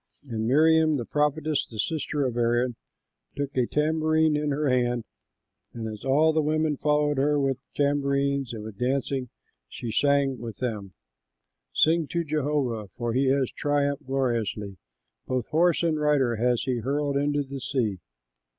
And Miriam the prophetess, the sister of Aaron, took a tambourine in her hand; and as all the women followed her with tambourines and with dancing, she sang with them: "Sing to Jehovah, for he has triumphed gloriously: Both horse and rider has he hurled into the sea."